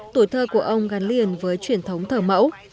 tuổi thơ của ông gắn liền với truyền thống thờ mẫu